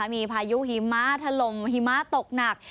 มีพายุหิมะถล่มหิมะตกหนัก